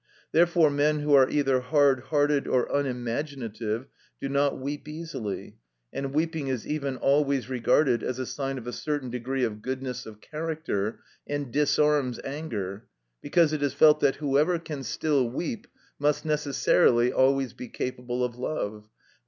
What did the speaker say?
Therefore men who are either hard hearted or unimaginative do not weep easily, and weeping is even always regarded as a sign of a certain degree of goodness of character, and disarms anger, because it is felt that whoever can still weep, must necessarily always be capable of love, _i.